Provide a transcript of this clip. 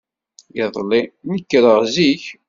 Iḍelli, nekreɣ zik.